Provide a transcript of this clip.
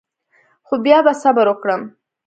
خو بیا به صبر وکړم.